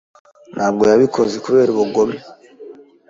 Ntabwo yabikoze kubera ubugome.